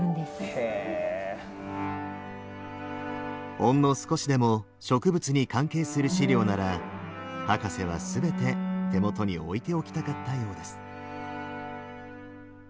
ほんの少しでも植物に関係する資料なら博士は全て手元に置いておきたかったようです。